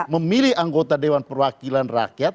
memilih anggota dewan perwakilan rakyat